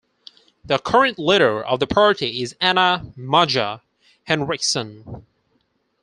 The current leader of the party is Anna-Maja Henriksson.